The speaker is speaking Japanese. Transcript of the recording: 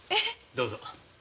どうぞ。